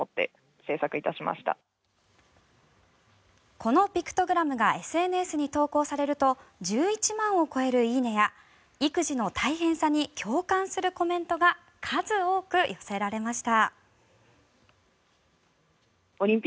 このピクトグラムがＳＮＳに投稿されると１１万を超える「いいね」や育児の大変さに共感するコメントが数多く寄せられました。